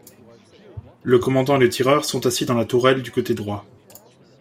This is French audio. Le commandant et le tireur sont assis dans la tourelle du côté droit.